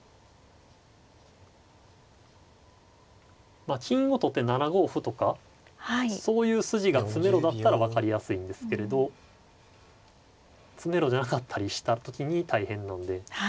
まあ金を取って７五歩とかそういう筋が詰めろだったら分かりやすいんですけれど詰めろじゃなかったりした時に大変なんで。